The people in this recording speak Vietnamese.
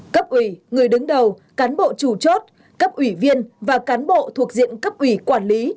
cấp ủy người đứng đầu cán bộ chủ chốt cấp ủy viên và cán bộ thuộc diện cấp ủy quản lý